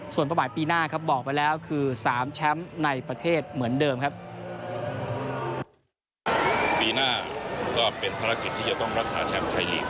ส่วนประมาณปีหน้าครับบอกไปแล้วคือ๓แชมป์ในประเทศเหมือนเดิมครับ